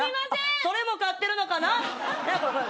これも買っているのかな。